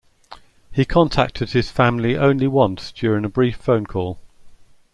He contacted his family only once during a brief phone call.